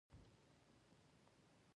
ایا زه باید خیرات ورکړم؟